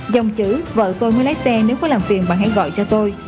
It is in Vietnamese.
dòng chữ vợ tôi mới lái xe nếu có làm phiền bạn hãy gọi cho tôi